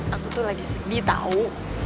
aku tuh lagi sedih tahu